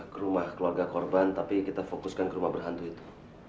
ke rumah keluarga korban tapi kita fokuskan ke rumah berhantu itu